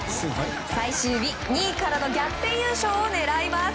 最終日、２位からの逆転優勝を狙います！